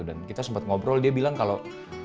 dan kita sempet ngobrol dia bilang kalau